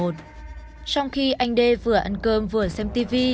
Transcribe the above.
trong khi anh đê vừa ăn cơm vừa xem tv